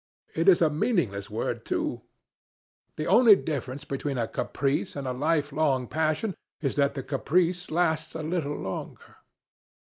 It is a meaningless word, too. The only difference between a caprice and a lifelong passion is that the caprice lasts a little longer."